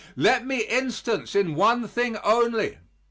Let me instance in one thing only.